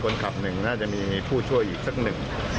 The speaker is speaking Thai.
น่าจะมีผู้ช่วยอีกสักหนึ่ง